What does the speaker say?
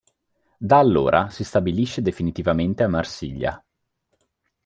Da allora, si stabilisce definitivamente a Marsiglia.